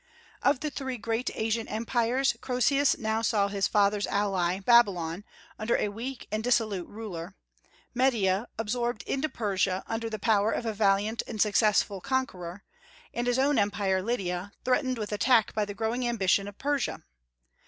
Of the three great Asian empires, Croesus now saw his father's ally, Babylon, under a weak and dissolute ruler; Media, absorbed into Persia under the power of a valiant and successful conqueror; and his own empire, Lydia, threatened with attack by the growing ambition of Persia.